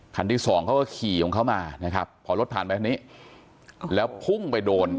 ที่สองเขาก็ขี่ของเขามานะครับพอรถผ่านไปคันนี้แล้วพุ่งไปโดน